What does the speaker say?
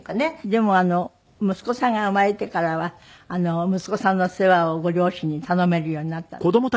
でも息子さんが生まれてからは息子さんの世話をご両親に頼めるようになったんですって？